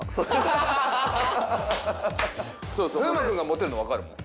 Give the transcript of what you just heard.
風磨君がモテるの分かるもん。